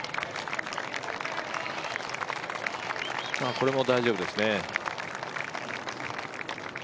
これも大丈夫ですね。